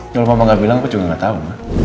kalau mama gak bilang aku juga gak tau